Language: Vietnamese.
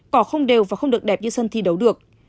cỏ không đều và không được đẹp như sân thi đấu được